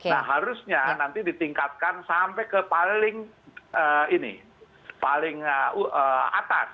nah harusnya nanti ditingkatkan sampai ke paling atas